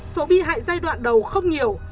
số bị hại giai đoạn đầu không nhiều